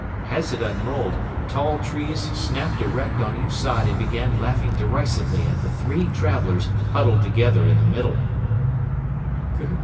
As it unrolled, tall trees snapped erect on each side and began laughing derisively at the three travelers huddled together in the middle.